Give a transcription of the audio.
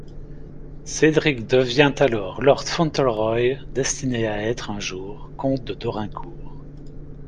Cedric devient alors Lord Fauntleroy, destiné à être, un jour, Comte de Dorincourt.